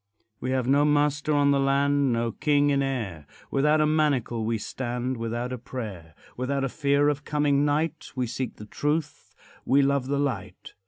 We have no master on the land No king in air Without a manacle we stand, Without a prayer, Without a fear of coming night, We seek the truth, we love the light.